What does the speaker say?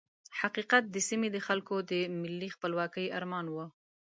حقیقت د سیمې د خلکو د ملي خپلواکۍ ارمان وو.